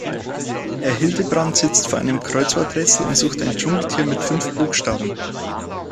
Herr Hildebrand sitzt vor einem Kreuzworträtsel und sucht ein Dschungeltier mit fünf Buchstaben.